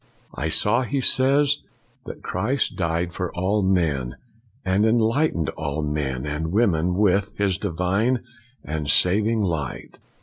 " I saw," he says, " that Christ died for all men, and enlightened all men and women with His divine and saving light.